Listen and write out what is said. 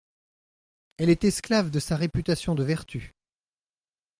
Elle est esclave de sa réputation de vertu…